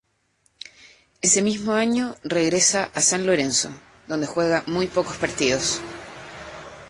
Ese mismo año regresa a San Lorenzo, donde juega muy pocos partidos.